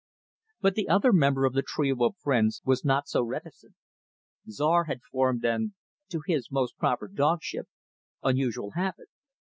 But the other member of the trio of friends was not so reticent. Czar had formed an to his most proper dogship unusual habit.